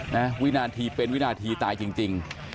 วินาทีเป็นวินาทีตายจริง